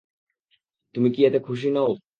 তুমি কি এতে খুশি নও?